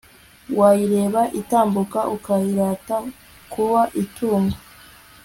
Wayireba itambuka Ukayirata kuba itungo